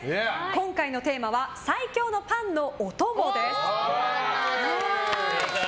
今回のテーマは最強のパンのお供です。